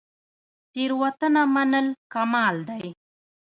تیروتنه منل کمال دی